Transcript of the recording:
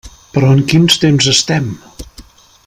Però en quins temps estem?